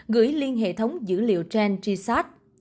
gửi liên hệ thống dữ liệu trend g sat